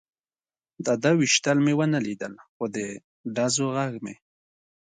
د ده وېشتل مې و نه لیدل، خو د ډزو غږ مې.